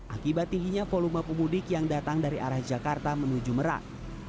akibat tingginya volume pemudik yang datang dari arah jakarta menuju merak